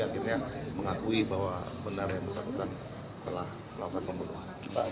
akhirnya mengakui bahwa benar yang bersangkutan telah melakukan pembunuhan